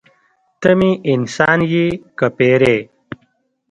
ته مې انسان یې که پیری.